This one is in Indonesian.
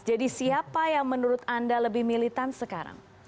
jadi siapa yang menurut anda lebih militan sekarang